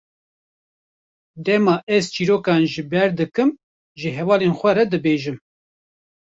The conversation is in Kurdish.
Dema ez çîrokan ji ber dikim, ji hevalên xwe re dibêjim.